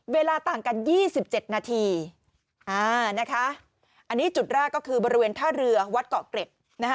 เวลาต่างกัน๒๗นาทีอันนี้จุดแรกก็คือบริเวณท่าเรือวัดเกาะเกร็ดนะคะ